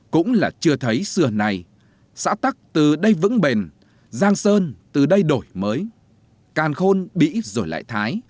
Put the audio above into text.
cũng là chưa thấy sửa này xã tắc từ đây vững bền giang sơn từ đây đổi mới càn khôn bị rồi lại thái